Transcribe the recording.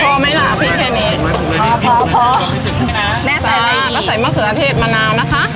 พอไหมล่ะพี่แคเนสพอพอพอแม่ใส่อะไรดีซะก็ใส่มะเขือเทศมะนาวนะคะ